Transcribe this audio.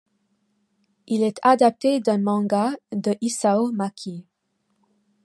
Il est adapté d'un manga de Hisao Maki.